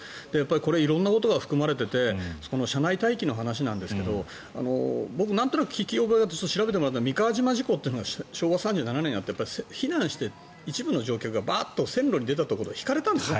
これ、色んなことも含まれていて車内待機の話なんですが僕なんとなく聞き覚えがあるのはミカワジマ事故っていうのが昭和にあって避難して一部の乗客が線路に出たところでひかれたんですよ。